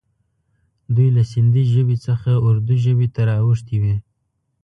دوی له سیندي ژبې څخه اردي ژبې ته را اوښتي وي.